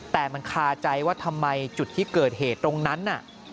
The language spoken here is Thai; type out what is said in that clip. แต่มันคาใจว่าทำไมจุดที่เกิดเหตุตรงนั้นน่ะ